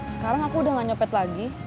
sekarang aku udah gak nyepet lagi